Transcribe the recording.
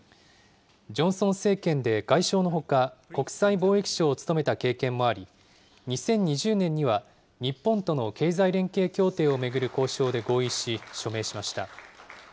ジョンソン政権で外相のほか、国際貿易相を務めた経験もあり、２０２０年には、日本との経済連携協定を巡る交渉で合意し、署名しました。